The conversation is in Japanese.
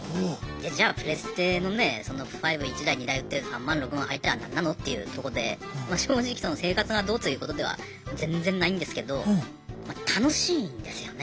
じゃあプレステのねえ５１台２台売って３万６万入った何なの？っていうとこで正直生活がどうということでは全然ないんですけど楽しいんですよね。